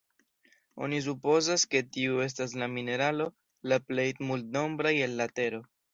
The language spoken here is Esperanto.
Oni supozas, ke tiu estas la mineralo la plej multnombraj el la tero.